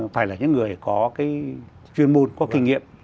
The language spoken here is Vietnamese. phải là những người có cái chuyên môn có kinh nghiệm